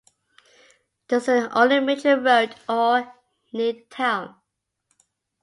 This is the only major road in or near the town.